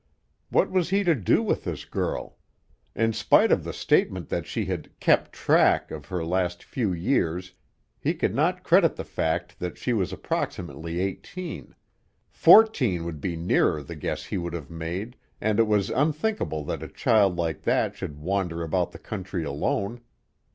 What was he to do with this girl? In spite of the statement that she had "kept track" of her last few years he could not credit the fact that she was approximately eighteen; fourteen would be nearer the guess he would have made, and it was unthinkable that a child like that should wander about the country alone.